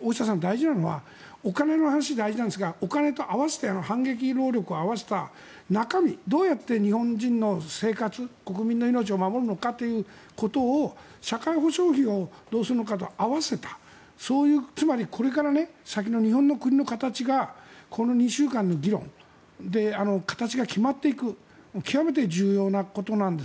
大下さん、大事なのはお金の話、大事なんですがお金と合わせて反撃能力を合わせた中身どうやって日本人の生活国民の命を守るのかということを社会保障費をどうするのかと合わせたつまりこれから先の日本の形でこの２週間の議論で形が決まっていく極めて重要なことなんです。